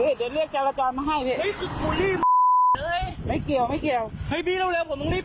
เฮ้ยเดี๋ยวเร็วจราจรมาให้พี่มีลุยเร็วจราจรพรุ่งนี้เอ้ย